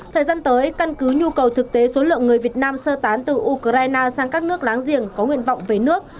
thời gian tới căn cứ nhu cầu thực tế số lượng người việt nam sơ tán từ ukraine sang các nước láng giềng có nguyện vọng về nước